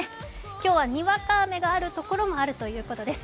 今日はにわか雨があるところもあるということです。